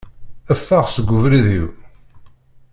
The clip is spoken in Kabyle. Ffeɣ seg ubrid-iw!